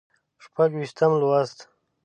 شپږ ویشتم لوست